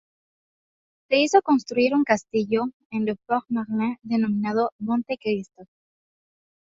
Se hizo construir un castillo en Le Port-Marly denominado "Monte-Cristo".